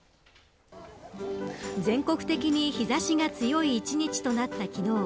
全国的に日差しが強い一日となった昨日。